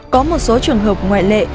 có một số trường hợp ngoại lệ